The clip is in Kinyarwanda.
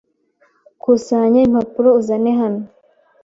Kusanya impapuro uzane hano.